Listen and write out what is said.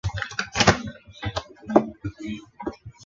矮生多裂委陵菜为蔷薇科委陵菜属下的一个变种。